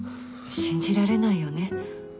信じられないよね。